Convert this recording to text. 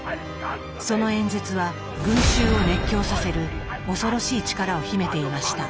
その演説は群衆を熱狂させる恐ろしい力を秘めていました。